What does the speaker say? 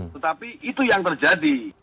tetapi itu yang terjadi